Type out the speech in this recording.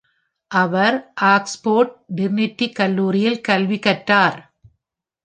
அவர் Oxford Trinity கல்லூரியில் கல்வி கற்றார்.